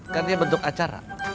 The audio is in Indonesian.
kan dia bentuk acara